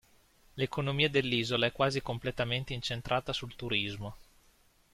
L'economia dell'isola è quasi completamente incentrata sul turismo.